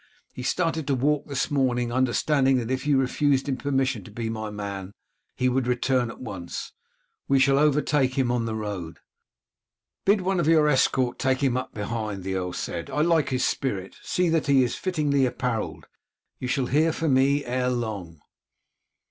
He started to walk this morning, understanding that if you refused him permission to be my man he would at once return. We shall overtake him on the road." "Bid one of your escort take him up behind," the earl said, "I like his spirit. See that he is fittingly apparelled. You shall hear from me ere long."